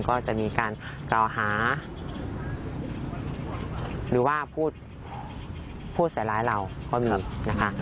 ก็จะมีการกล่อหาหรือว่าพูดพูดสายร้ายเราคนเหมือนนะคะ